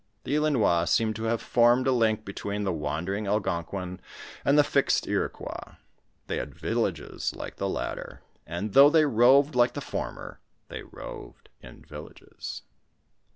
The Ilinois seemed to have formed a link be tween the wandering Algonquin and the fixed Iroquois; they had villages like the latter, and though they roved like the former, they roved in villages.